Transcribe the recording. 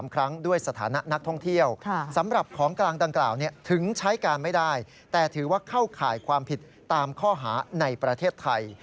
เข้าข่ายความผิดตามข้อหาในประเทศไทย